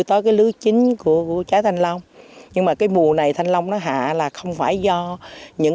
tới cái lưới chính của trái thanh long nhưng mà cái bù này thanh long nó hạ là không phải do những